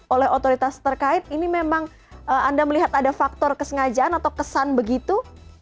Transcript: oleh otoritas terkait ini memang anda melihat ada faktor kesengajaan atau kesan begitu